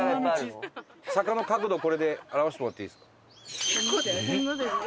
坂の角度をこれで表してもらっていいですか？